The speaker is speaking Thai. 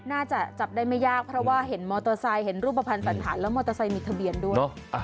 น่าจะจับได้ไม่ยากเพราะว่าเห็นมอเตอร์ไซค์เห็นรูปภัณฑ์สันธารแล้วมอเตอร์ไซค์มีทะเบียนด้วย